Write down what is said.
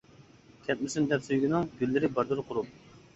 كەتمىسۇن دەپ سۆيگۈنىڭ، گۈللىرى بالدۇر قۇرۇپ.